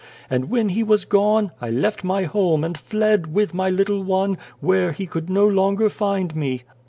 And when he was gone, I left my home, and fled, with my little one, where he could no longer find me."